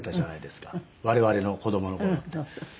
我々の子どもの頃って。